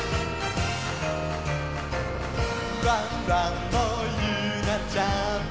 「ワンワンもゆうなちゃんも」